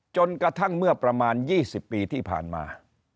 จนกระทั่งเมื่อประมาณ๒๐ปีที่ผ่านมา